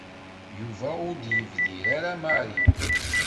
Yuba ur d-yebdir ara Mary.